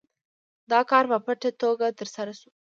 دا کار په پټه توګه ترسره شو.